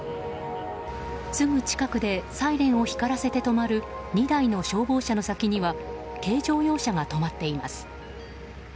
すぐ近くでサイレンを光らせて止まる２台の消防車の先には軽乗用車が止まっています。